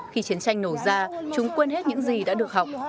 khi chiến tranh nổ ra chúng quên hết những gì đã được học